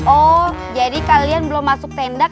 oh jadi kalian belum masuk tenda masing masing